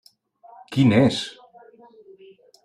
Quin és?